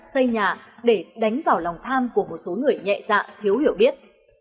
xây nhà để đánh vào lòng tham của một số người nhẹ dạ thiếu hiểu biết